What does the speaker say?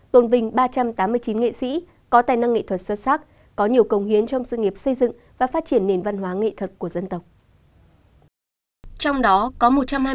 tôn vinh ba trăm tám mươi chín nghệ sĩ có tài năng nghệ thuật xuất sắc có nhiều công hiến trong sự nghiệp xây dựng và phát triển nền văn hóa nghệ thuật của dân tộc